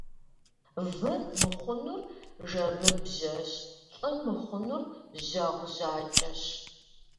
Вы мыхъунур жэмыбжьэщ, лӀы мыхъунур жьэгъу жьакӀэщ.